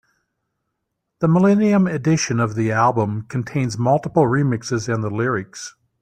The millennium edition of the album contains multiple remixes and the lyrics.